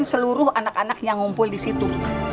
seluruh anak anak yang ngumpul di situ